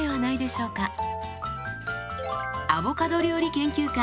アボカド料理研究家